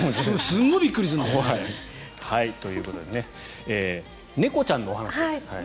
すごいびっくりするんだよね。ということで猫ちゃんのお話でした。